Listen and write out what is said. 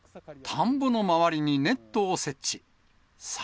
田んぼの周りにネットを設置。